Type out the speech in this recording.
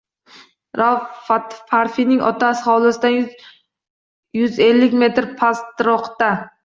Rauf Parfining ota xovlisidan yuz, yuz ellik metr pastrokda